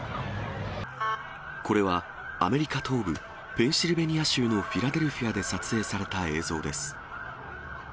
これは、アメリカ東部ペンシルベニア州のフィラデルフィアで撮影された映像です。